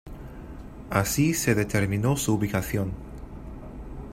Así se determinó su ubicación.